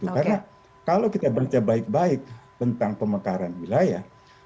karena kalau kita baca baik baik tentang pemekaran wilayah